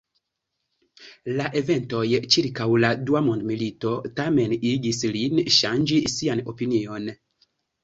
La eventoj ĉirkaŭ la dua mondmilito tamen igis lin ŝanĝi sian opinion.